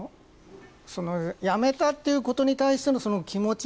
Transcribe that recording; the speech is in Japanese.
やめたということに対しての気持ち。